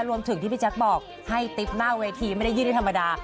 รวมถึงที่พี่แจ๊คบอกให้ติ๊บหน้าเวทีไม่ได้ยื่นให้ธรรมดา